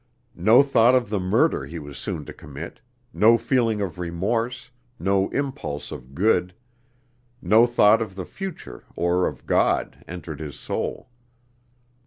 No thought of the murder he was soon to commit; no feeling of remorse, no impulse of good; no thought of the future or of God entered his soul.